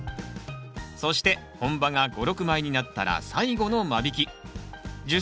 そして本葉が５６枚になったら最後の間引き。